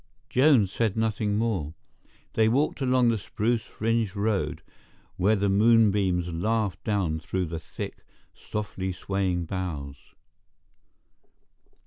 Joan said nothing more. They walked along the spruce fringed roads where the moonbeams laughed down through the thick, softly swaying boughs.